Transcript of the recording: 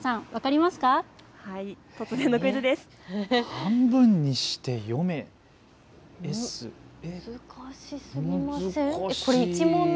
半分にして読め！